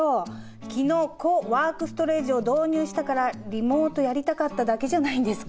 昨日コワークストレージを導入したからリモートやりたかっただけじゃないんですか？